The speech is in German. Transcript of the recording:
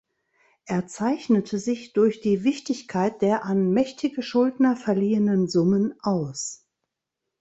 Er zeichnete sich durch die Wichtigkeit der an mächtige Schuldner verliehenen Summen aus.